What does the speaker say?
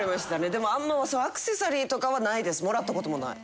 でもあんまアクセサリーとかはないですもらった事もない。